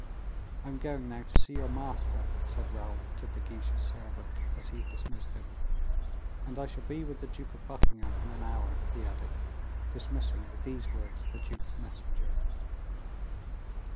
"I am going now to see your master," said Raoul to De Guiche's servant, as he dismissed him; "and I shall be with the Duke of Buckingham in an hour," he added, dismissing with these words the duke's messenger.